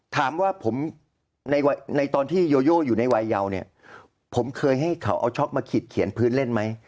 ถามว่าผมในตอนที่โยโย่อยู่ในวัยเยาเนี่ยผมเคยให้เขาเอาช็อกมาขีดเขียนพื้นเล่นไหม